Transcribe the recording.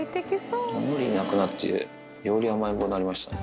のりいなくなって、より甘えん坊になりましたね。